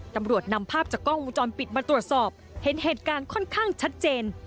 ตำรวจนำภาพจากกล้องวงจรปิดมาตรวจสอบเห็นเหตุการณ์ค่อนข้างชัดเจน